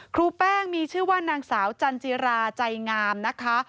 ครูแป้งมีชื่อว่านางสาวจันจิราใจงามนะคะ